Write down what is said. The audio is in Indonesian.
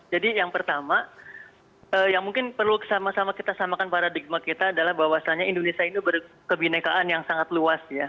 jadi yang pertama yang mungkin perlu sama sama kita samakan paradigma kita adalah bahwasannya indonesia ini berkebinekaan yang sangat luas ya